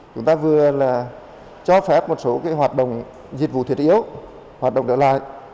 chúng ta vừa là cho phép một số hoạt động dịch vụ thiệt yếu hoạt động đỡ lại